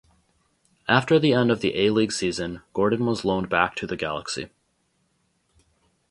After the end of the A-League season, Gordon was loaned back to the Galaxy.